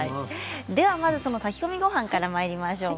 ではその炊き込みごはんからまいりましょう。